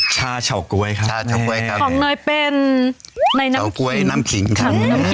ชาเช่าก๊วยครับของหน่อยเป็นในน้ำกิ่งชาเช่าก๊วยน้ำกิ่งค่ะ